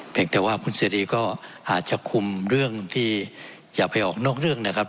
แต่ว่าคุณเสรีก็อาจจะคุมเรื่องที่อย่าไปออกนอกเรื่องนะครับ